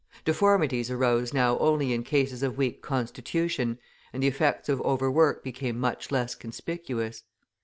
Deformities arose now only in cases of weak constitution, and the effects of overwork became much less conspicuous.